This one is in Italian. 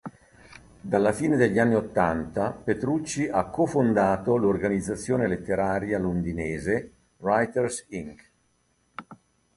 Dalla fine degli anni ottanta, Petrucci ha cofondato l'organizzazione letteraria londinese "Writers inc.